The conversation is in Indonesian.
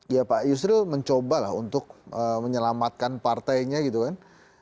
ya pak yusril mencoba lah untuk menyelamatkan partainya gitu kan